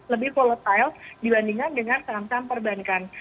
lebih volatile dibandingkan dengan saham saham perbankan